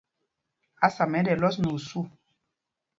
Ásama ɛ́ ɗɛ lɔs nɛ osû.